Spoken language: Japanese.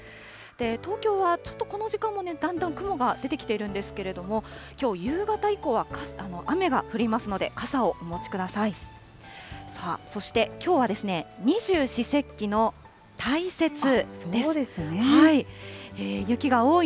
東京はちょっとこの時間もだんだん雲が出てきているんですけれども、きょう夕方以降は雨が降りますので、傘をお持ちください。